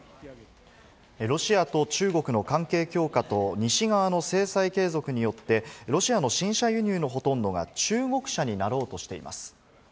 ロシアと中国の関係強化と西側の制裁継続によって、ロシアの新車輸入のほとんどが中国車になろうとしています。